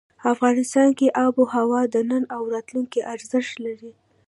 افغانستان کې آب وهوا د نن او راتلونکي ارزښت لري.